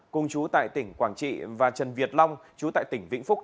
cùng chú tại tỉnh quảng trị và trần việt long chú tại tỉnh vĩnh phúc